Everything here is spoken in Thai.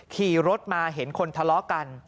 ขี่รถมาเห็นคนทะเลาะกัน